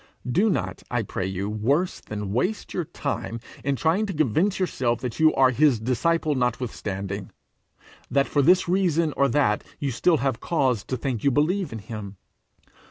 Do not, I pray you, worse than waste your time in trying to convince yourself that you are his disciple notwithstanding that for this reason or that you still have cause to think you believe in him.